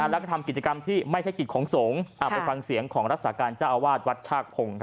และทำกิจกรรมที่ไม่ใช่กิจของสงฆ์อาบโปรฟังเสียงของรักษาการจ้าวาดวัดชาคพงฆ์